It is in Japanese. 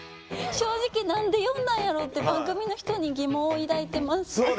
正直何で呼んだんやろう？って番組の人に疑問を抱いてます。